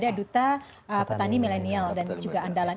dan juga ada duta petani milenial dan juga andalan